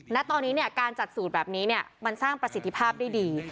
ณตอนนี้การจัดสูตรแบบนี้มันสร้างประสิทธิภาพได้ดี